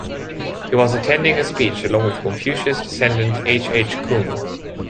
He was attending a speech along with Confucius descendant H. H. Kung.